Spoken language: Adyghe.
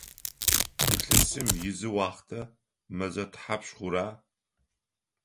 Илъэсым изы уахътэ мэзэ тхьапш хъура?